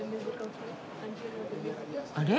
あれ？